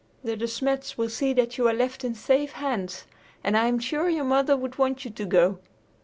The De Smets will see that you are left in safe hands, and I'm sure your mother would want you to go."